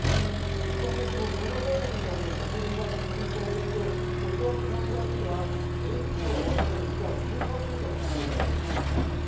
一般の人もコロナ対策のために立ち入りが禁止されていて、こちらの看板には、オリンピックが終わるまでの期間、封鎖すると書いてあります。